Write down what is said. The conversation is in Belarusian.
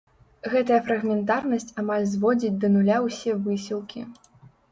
Гэтая фрагментарнасць амаль зводзіць да нуля ўсе высілкі.